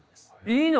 いいの？